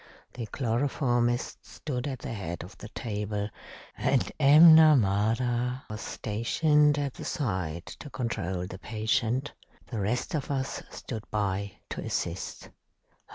The chloroformist stood at the head of the table, and M'Namara was stationed at the side to control the patient. The rest of us stood by to assist.